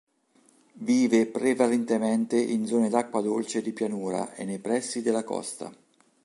Vive prevalentemente in zone d'acqua dolce di pianura e nei pressi della costa.